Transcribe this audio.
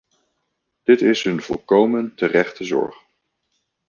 Dit is een volkomen terechte zorg.